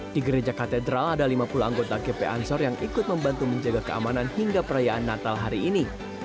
di gereja katedral ada lima puluh anggota gp ansor yang ikut membantu menjaga keamanan hingga perayaan natal hari ini